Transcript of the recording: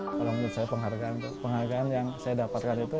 kalau menurut saya penghargaan yang saya dapatkan itu